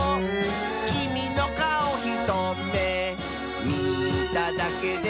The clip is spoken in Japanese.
「きみのかおひとめみただけで」